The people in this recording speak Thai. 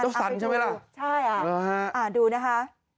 ก็สันใช่ไหมล่ะใช่อ่ะดูนะคะ